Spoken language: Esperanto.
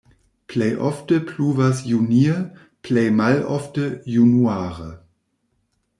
Plej ofte pluvas junie, plej malofte januare.